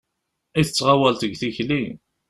I tettɣawaleḍ deg tikli!